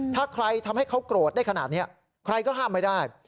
ถ้าใครทำให้เขาโกรธได้ขนาดนี้ใครก็ห้ามไม่ได้